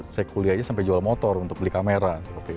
saya kuliah aja sampai jual motor untuk beli kamera